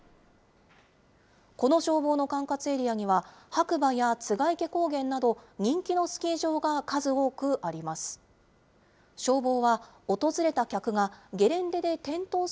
この消防の管轄エリアには、白馬や栂池高原など、人気のスキー場が数多くあります。